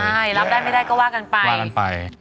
ใช่รับได้ไม่ได้ก็ว่ากันไป